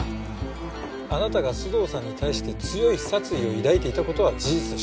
あなたが須藤さんに対して強い殺意を抱いていた事は事実でしょう。